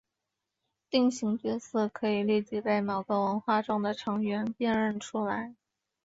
定型角色可以立即被某个文化中的成员辨认出来。